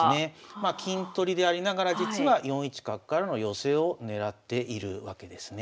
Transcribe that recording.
まあ金取りでありながら実は４一角からの寄せを狙っているわけですね。